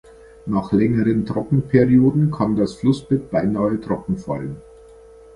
Nach längeren Trockenperioden kann das Flussbett beinahe trocken fallen.